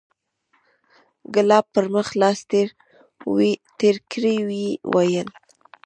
ګلاب پر مخ لاس تېر کړ ويې ويل.